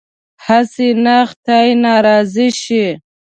هسې نه خدای ناراضه شي.